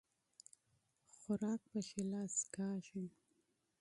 خوراک په ښي لاس کيږي